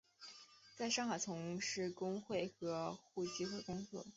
在上海从事工会和互济会工作。